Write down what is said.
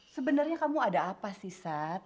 sebenarnya kamu ada apa sih sat